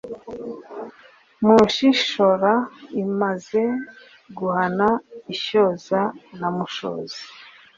mushishora imaze guhana ishyoza na mushozi,